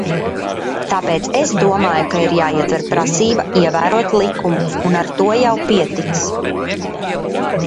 Tāpēc es domāju, ka ir jāietver prasība ievērot likumu, un ar to jau pietiks.